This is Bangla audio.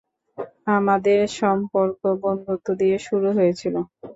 আমাদের সম্পর্ক বন্ধুত্ব দিয়ে শুরু হয়েছিল।